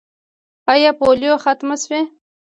آیا پولیو ختمه شوې؟